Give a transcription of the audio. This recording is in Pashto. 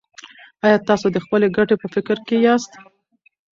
ایا تاسو د خپلې ګټې په فکر کې یاست.